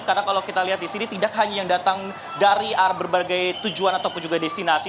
karena kalau kita lihat disini tidak hanya yang datang dari berbagai tujuan ataupun juga destinasi